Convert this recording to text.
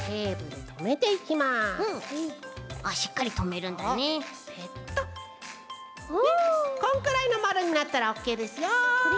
でこんくらいのまるになったらオッケーですよ。